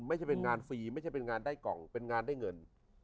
ไม่ใช่เป็นงานฟรีไม่ใช่เป็นงานได้กล่องเป็นงานได้เงิน